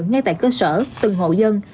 ngay tại cơ sở từng hộ dân